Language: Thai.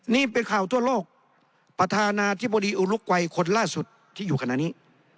นี่เป็นข่าวทั่วโลกประธานาธิบดีอุลุกวัยคนล่าสุดที่อยู่ขณะนี้